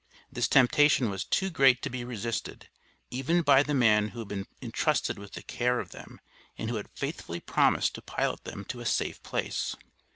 This temptation was too great to be resisted, even by the man who had been intrusted with the care of them, and who had faithfully promised to pilot them to a safe place.